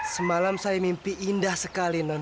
semalam saya mimpi indah sekali nonto